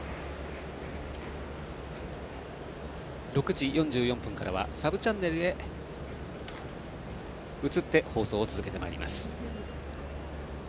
６時４４分からはサブチャンネルへ移って放送を続けてまいります。